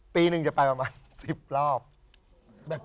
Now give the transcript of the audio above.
ปีหนึ่งจะไปประมาณ๑๐รอบ